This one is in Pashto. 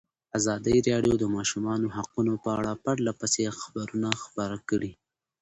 ازادي راډیو د د ماشومانو حقونه په اړه پرله پسې خبرونه خپاره کړي.